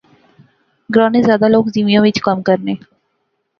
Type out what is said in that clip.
گراں نے زیادہ لوک زیویاں اچ کم کرنے